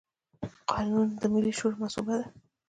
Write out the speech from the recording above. قانون د ملي شورا مصوبه ده.